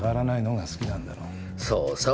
そうそう。